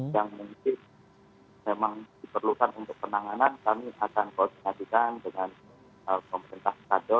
yang mungkin memang diperlukan untuk penanganan kami akan koordinasikan dengan pemerintah kado